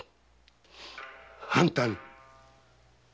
あんたに！